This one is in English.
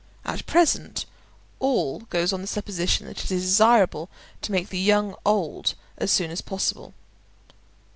At present all goes on the supposition that it is desirable to make the young old as soon as possible.